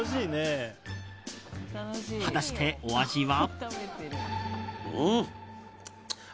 果たして、お味は。